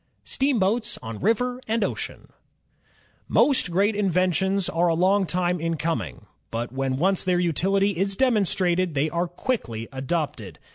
Steamboats on River and Ocean Most great inventions are a long time in coming, but when once their utiUty is demonstrated they are quickly adopted.